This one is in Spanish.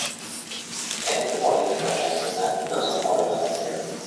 En este modelo se relacionan los dos modelos anteriores.